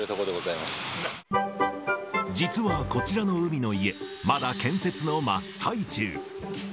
実はこちらの海の家、まだ建設の真っ最中。